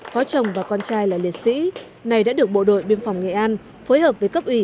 có chồng và con trai là liệt sĩ này đã được bộ đội biên phòng nghệ an phối hợp với cấp ủy